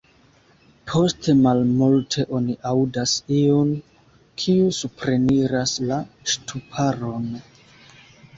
Post malmulte oni aŭdas iun, kiu supreniras la ŝtuparon.